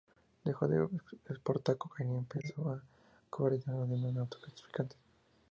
Dejó de exportar cocaína y empezó a cobrar dinero a los demás narcotraficantes.